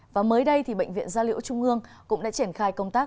và mới đây bệnh viện gia liễu trung ương cũng đã triển khai công tác